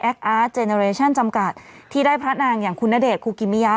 อาร์ตเจเนอเรชั่นจำกัดที่ได้พระนางอย่างคุณณเดชนคูกิมิยะ